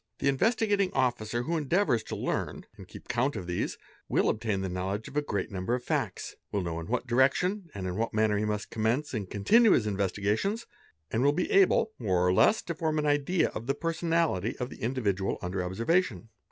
The Investigating Officer who endeavours to learn and keep count of these will obtain the know ledge of a great number of facts, will know in what direction and in what manner he must commence and continue his investigations, and will be able, more or less, to form an idea of the personality of the individual under observation.